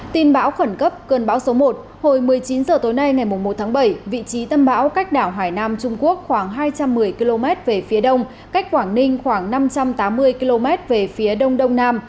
tin bão khẩn cấp cơn bão số một hồi một mươi chín h tối nay ngày một tháng bảy vị trí tâm bão cách đảo hải nam trung quốc khoảng hai trăm một mươi km về phía đông cách quảng ninh khoảng năm trăm tám mươi km về phía đông đông nam